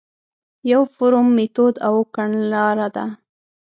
یو فورم، میتود او کڼلاره ده.